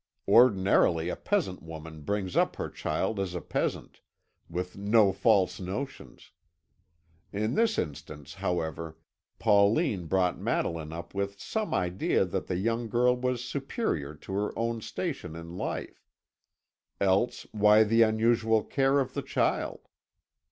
Ordinarily, a peasant woman brings up her child as a peasant, with no false notions; in this instance, however, Pauline brought Madeline up with some idea that the young girl was superior to her own station in life. Else why the unusual care of the child?